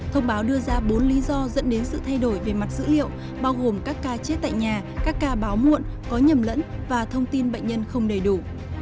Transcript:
thông báo đưa ra bốn lý do dẫn đến sự thay đổi về mặt dữ liệu bao gồm các ca chết tại nhà các ca báo muộn có nhầm lẫn và thông tin bệnh nhân không đầy đủ